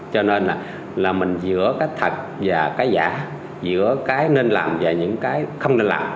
cho nên là mình giữa cái thật và cái giả giữa cái nên làm và những cái không nên làm